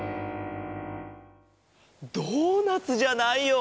ドーナツじゃないよ。